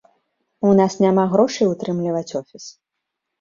У нас няма грошай утрымліваць офіс.